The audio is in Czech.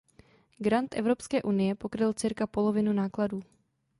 Grant Evropské unie pokryl cca polovinu nákladů.